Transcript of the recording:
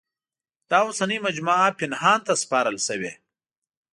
دا اوسنۍ مجموعه پنهان ته سپارل شوې.